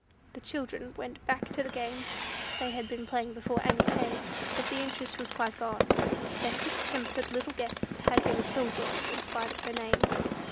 The children went back to the game they had been playing before Annie came; but the interest was quite gone. Their quick tempered little guest had been a "kill joy" in spite of her name.